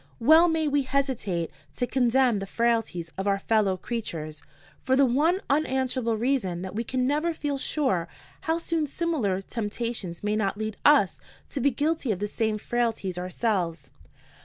Well may we hesitate to condemn the frailties of our fellow creatures, for the one unanswerable reason that we can never feel sure how soon similar temptations may not lead us to be guilty of the same frailties ourselves.